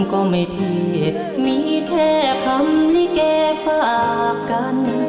ก็ไม่เทศมีแค่คำลิแกฝากกัน